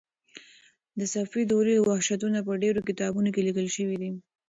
د صفوي دورې وحشتونه په ډېرو کتابونو کې لیکل شوي دي.